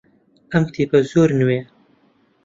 ئەم کتێبە زۆر نوێیە.